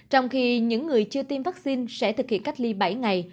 trong khi những người chưa tiêm vaccine sẽ thực hiện cách ly bảy ngày